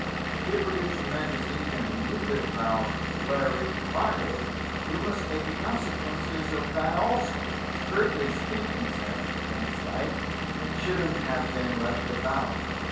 If you produce a magazine and leave it about where we can find it, you must take the con sequences of that also." "Strictly speaking," said Langsdyke, "it shouldn't have been left about.